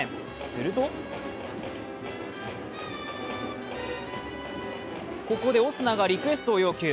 するとここでオスナがリクエストを要求。